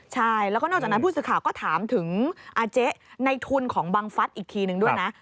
ใช่แล้วก็นอกจากนั้นผู้สื่อข่าวก็ถามถึงอาเจ๊ในทุนของบังฟัสอีกทีนึงด้วยนะ